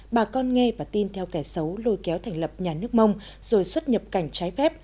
bà con nghe và tin theo kẻ xấu lôi kéo thành lập nhà nước mông rồi xuất nhập cảnh trái phép